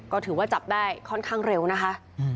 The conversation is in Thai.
ก็ถือว่าจับได้ค่อนข้างเร็วนะคะ